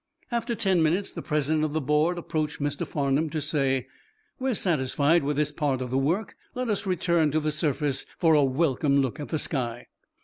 After ten minutes the president of the board approached Mr. Farnum to say: "We are satisfied with this part of the work. Let us return to the surface for a welcome look at the sky."